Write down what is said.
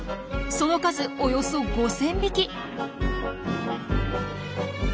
その数およそ５，０００匹。